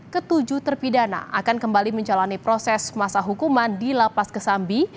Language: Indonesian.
ketujuh terpidana akan kembali menjalani proses masa hukuman di lapas kesambi